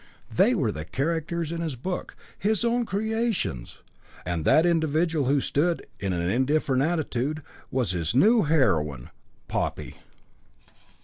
They were the characters in his book, his own creations. And that individual who stood, in an indifferent attitude, was his new heroine, Poppy.